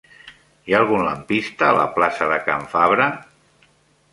Hi ha algun lampista a la plaça de Can Fabra?